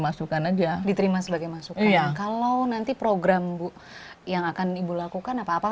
masukan aja diterima sebagai masukan kalau nanti program bu yang akan ibu lakukan apa apa